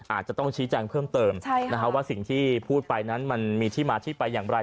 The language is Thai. อาจจะต้องชี้แจงเพิ่มเติมว่าสิ่งที่พูดไปนั้นมันมีที่มาที่ไปอย่างไร